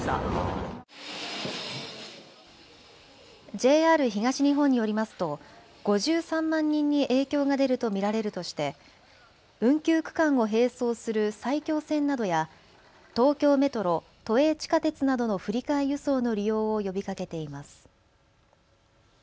ＪＲ東日本によりますと５３万人に影響が出ると見られるとして運休区間を並走する埼京線などや東京メトロ、都営地下鉄などの振り替え輸送の利用を呼びかけています。